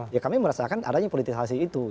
ya kami merasakan adanya politisasi itu